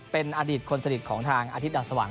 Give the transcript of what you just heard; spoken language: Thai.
เป็นอดีตคนสนิทของทางอาทิตยสว่าง